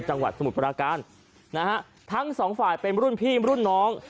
สมุทรปราการนะฮะทั้งสองฝ่ายเป็นรุ่นพี่รุ่นน้อง